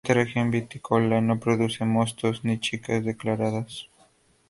Esta región vitícola no produce mostos, ni chicas declaradas.